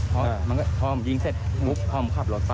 เพราะมันก็พร้อมยิงเสร็จพร้อมขับรถไป